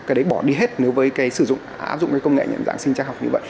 cái đấy bỏ đi hết nếu với cái sử dụng áp dụng cái công nghệ nhận dạng sinh chắc học như vậy